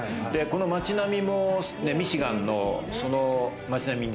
街並みもミシガンの街並みに